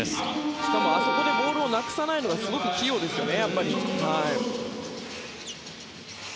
しかも、あそこでボールをなくさないのが器用ですよね。